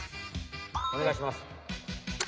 おねがいします。